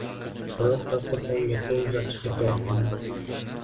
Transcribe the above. Biroq dasturxonga qo`l uzatishga tortindim